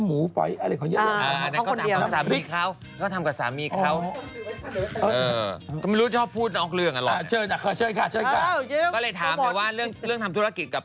ไฮล์คลีมหรือลิปสติก